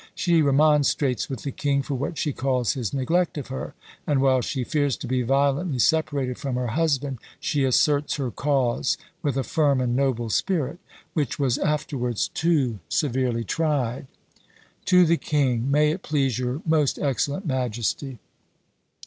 She remonstrates with the king for what she calls his neglect of her, and while she fears to be violently separated from her husband, she asserts her cause with a firm and noble spirit, which was afterwards too severely tried! "TO THE KING. "MAY IT PLEASE YOUR MOST EXCELLENT MAJESTY.